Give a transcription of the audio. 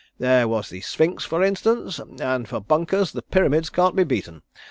There was the Sphynx for instance; and for bunkers the pyramids can't be beaten.